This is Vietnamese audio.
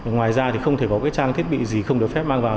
ngoài ra thì không thể có cái trang thiết bị gì không được phép mang vào